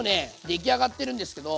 出来上がってるんですけど。